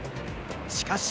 しかし。